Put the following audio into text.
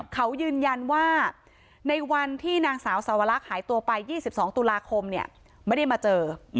เขายืนยันว่าในวันที่นางสาวสวรรคหายตัวไป๒๒ตุลาคมไม่ได้มาเจอ